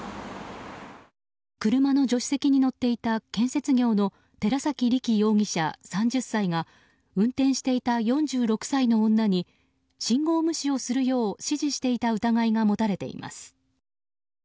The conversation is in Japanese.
車の助手席に乗っていた建設業の寺崎太尊容疑者、３０歳が運転していた４６歳の女に信号無視をするよう指示していた疑いが持たれています。